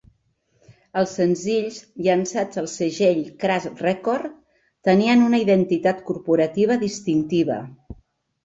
Els senzills llançats al segell Crass Records tenien una "identitat corporativa" distintiva.